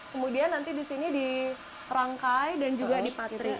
kemudian nanti di sini dirangkai dan juga dipatri